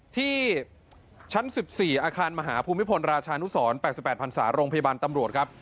ที่ชั้น๑๔อาคารมหาภูมิพลราชานุสร๘๘พันศาโรงพยาบาลตำรวจครับ